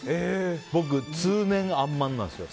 僕、通年、あんまんなんですよ。